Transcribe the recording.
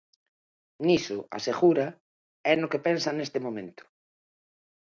Niso, asegura, é no que pensa neste momento.